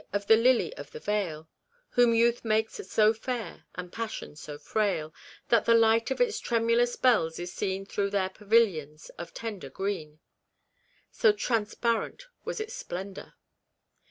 of the lily of the vale, " whom youth makes so fair, and passion so frail, that the light of its tremulous bells is seen through their pavilions of tender green," so transparent was its splendour.